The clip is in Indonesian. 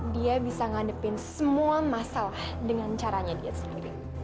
dia bisa ngadepin semua masalah dengan caranya dia sendiri